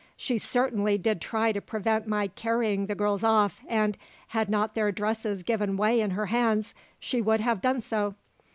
She certainly did try to prevent my carrying the girls off and, had not their dresses given way in her hands, she would have done so.